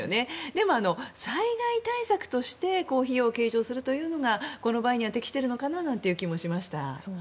でも、災害対策としてこういう費用を計上するのがこの場合には適しているのかなという木もしました。